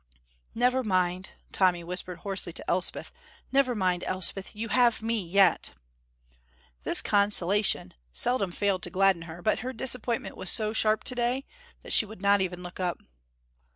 "Never mind," Tommy whispered hoarsely to Elspeth. "Never mind, Elspeth, you have me yet." This consolation seldom failed to gladden her, but her disappointment was so sharp to day that she would not even look up.